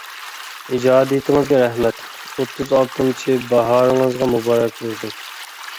ئىجادىيىتىڭىزگە رەھمەت، ئوتتۇز ئالتىنچى باھارىڭىزغا مۇبارەك بولسۇن.